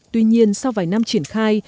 tuy nhiên sau vài năm triển khai